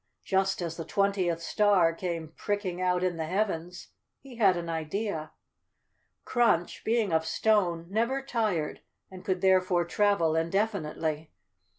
Just as the twentieth star came pricking out in the Heavens, he had an idea. Crunch, being of stone, never tired and could therefore travel indefinitely.